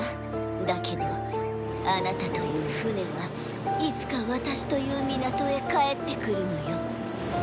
だけどあなたという船はいつか私という港へ帰ってくるのよ。